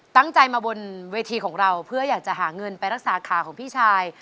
ตั้งใจมาบนเวทีของเราเพื่ออยากจะหาเงินไปรักษาขาของพี่ชาย